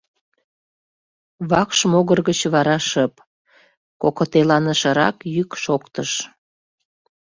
Вакш могыр гыч вара шып, кокытеланышырак йӱк шоктыш: